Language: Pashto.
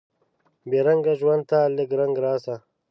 بې رنګه ژوند ته لکه رنګ راسه